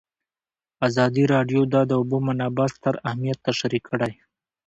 ازادي راډیو د د اوبو منابع ستر اهميت تشریح کړی.